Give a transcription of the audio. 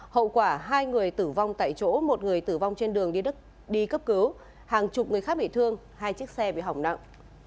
hậu quả hai người tử vong tại chỗ một người tử vong trên đường đi cấp cứu hàng chục người khác bị thương hai chiếc xe bị hỏng nặng